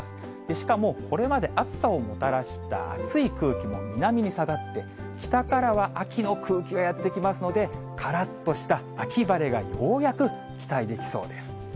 しかもこれまで暑さをもたらしたあつい空気も南に下がって、北からは秋の空気がやって来ますので、からっとした秋晴れがようやく期待できそうです。